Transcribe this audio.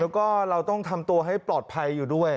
แล้วก็เราต้องทำตัวให้ปลอดภัยอยู่ด้วย